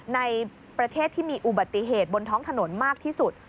ในประเทศที่มีอุบัติเหตุบนท้องถนนมากที่สุด